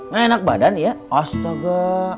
gak enak badan ya ostoge